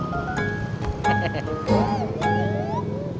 makasih ya bang